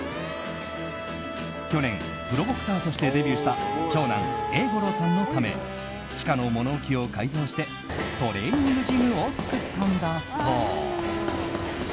去年、プロボクサーとしてデビューした長男・英五郎さんのため地下の物置を改造してトレーニングジムを作ったんだそう。